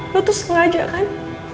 lo tuh sengaja kan